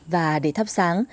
và để thắp sáng